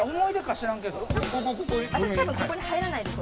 私たぶんここに入らないです。